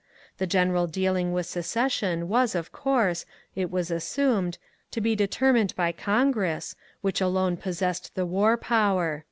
The general dealing with secession was of course, it was assumed, to be determined by Congress, which alone possessed the war power.